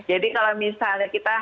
jadi kalau misalnya kita hanya coklat